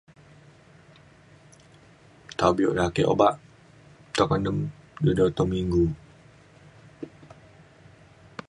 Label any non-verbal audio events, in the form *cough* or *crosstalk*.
Taw bio na ake uba' *unintelligible* taw minggu